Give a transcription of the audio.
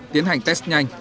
tiến hành test nhanh